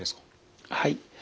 はい。